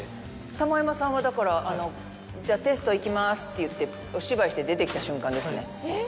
玉山さんはだから「テストいきます」と言ってお芝居して出てきた瞬間ですね。